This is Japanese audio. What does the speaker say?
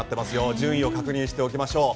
順位を確認しておきましょう。